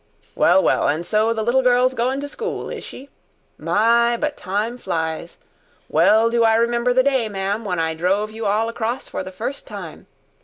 "Well, well, and so the little girl's goin' to school, is she? My, but time flies! Well do I remember the day ma'am, when I drove you all across for the first time.